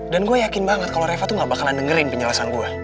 dan gue yakin banget kalau reva tuh gak bakalan dengerin penjelasan gue